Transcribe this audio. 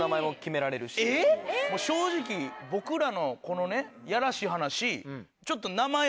正直僕らのこのねいやらしい話ちょっと。